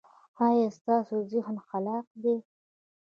ایا ستاسو ذهن خلاق دی؟